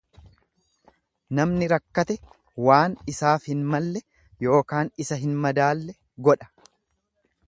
Namni rakkate waan isaaf hin malle ykn isa hin madaalle godha.